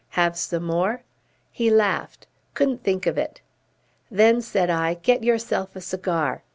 "Have some more?" He laughed. "Couldn't think of it." "Then," said I, "get yourself a cigar."